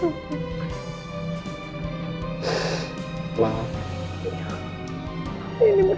aku kangen bebesom kamu